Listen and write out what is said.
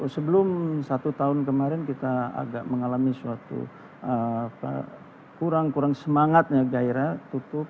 sebelum satu tahun kemarin kita agak mengalami suatu kurang kurang semangatnya gairah tutup